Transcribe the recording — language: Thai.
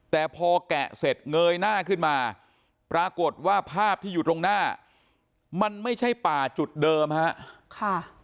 แต่พอแกะเสร็จเงยหน้าขึ้นมาปรากฏว่าภาพที่อยู่ตรงหน้ามันไม่ใช่ป่าจุดเดิมฮะค่ะ